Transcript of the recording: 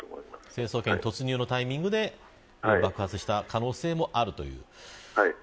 成層圏突入のタイミングで爆発した可能性があるということですね。